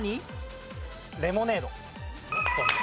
レモネード。